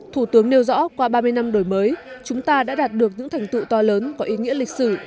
thủ tướng nêu rõ qua ba mươi năm đổi mới chúng ta đã đạt được những thành tựu to lớn có ý nghĩa lịch sử